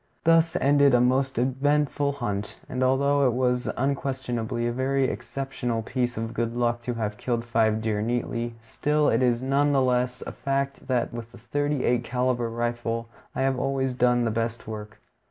Thus ended a most eventful hunt; and although it was unquestionably a very exceptional piece of good luck to have killed five deer neatly, still it is none the less a fact that with a thirty eight caliber rifle I have always done the best work.